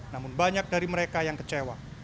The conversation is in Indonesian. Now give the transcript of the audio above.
namun banyak dari mereka yang kecewa